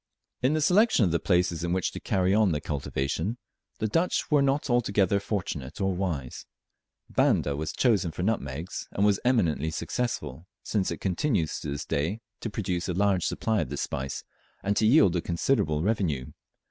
In the selection of the places in which to carry on the cultivation, the Dutch were not altogether fortunate or wise. Banda was chosen for nutmegs, and was eminently successful, since it continues to this day to produce a large supply of this spice, and to yield a considerable revenue.